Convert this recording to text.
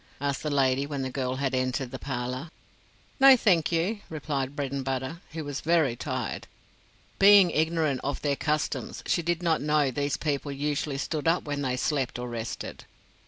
asked the lady when the girl had entered the parlor. "No, thank you," replied Bredenbutta, who was very tired. Being ignorant of their customs she did not know these people usually stood up when they slept or rested.